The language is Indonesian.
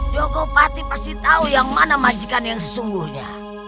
yogopati pasti tahu yang mana majikan yang sesungguhnya